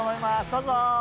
どうぞ。